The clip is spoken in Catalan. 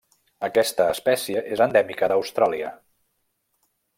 Aquesta espècie és endèmica d'Austràlia.